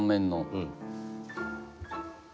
うん。